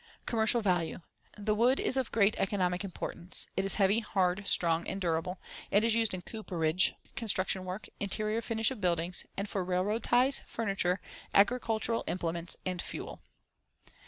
Commercial value: The wood is of great economic importance. It is heavy, hard, strong and durable and is used in cooperage, construction work, interior finish of buildings and for railroad ties, furniture, agricultural implements and fuel.